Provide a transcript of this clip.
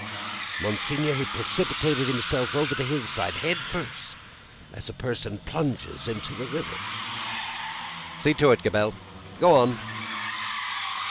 "Monseigneur, he precipitated himself over the hill side, head first, as a person plunges into the river." "See to it, Gabelle. Go on!"